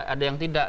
ada yang tidak